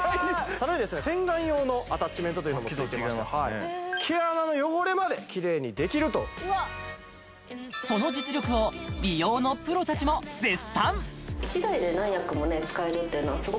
さらに洗顔用のアタッチメントというのもついてまして毛穴の汚れまでキレイにできるとその実力を美容のプロたちも絶賛！